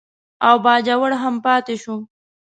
او باجوړ هم پاتې شو.